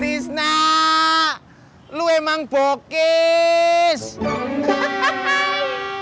tisna lu emang bokes hai hai